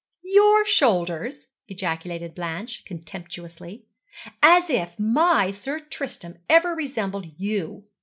'Your shoulders!' ejaculated Blanche, contemptuously. 'As if my Sir Tristram ever resembled you.